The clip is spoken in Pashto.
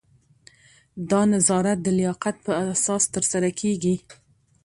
دا نظارت د لیاقت په اساس ترسره کیږي.